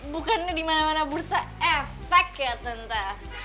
bukannya dimana mana bursa epek ya tante